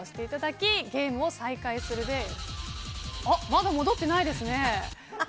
まだ戻ってないですね。